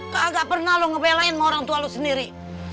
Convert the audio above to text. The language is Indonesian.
kagak pernah lu ngebelain sama orang tua lu sendiri